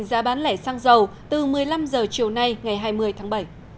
giá bán lẻ xăng dầu từ một mươi năm h chiều nay ngày hai mươi tháng bảy